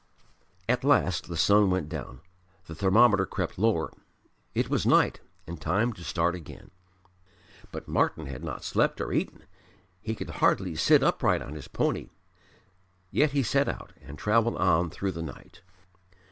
At last the sun went down: the thermometer crept lower: it was night and time to start again. But Martyn had not slept or eaten. He could hardly sit upright on his pony. Yet he set out and travelled on through the night.